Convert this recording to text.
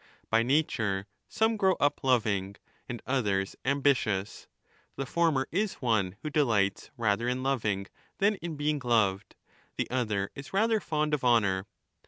By nature some grow up loving, and others 7 ambitious ; the former is one who delights rather in loving than in being loved, the other is rather fond of honour?